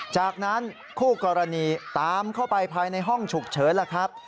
จากนั้นคู่กรณีตามเข้าไปภายในห้องฉุกเฉินล่ะครับ